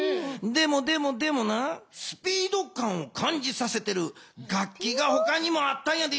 でもでもでもなスピード感を感じさせてる楽器がほかにもあったんやで！